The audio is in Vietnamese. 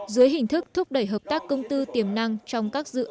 dưới hình thức thúc đẩy hợp tác công tư tiềm năng trong các dự án